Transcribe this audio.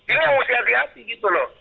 ini harus hati hati gitu loh